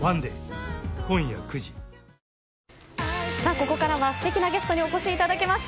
ここからは素敵なゲストにお越しいただきました。